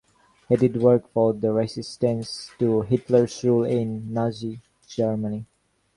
He did work for the resistance to Hitler's rule in Nazi Germany.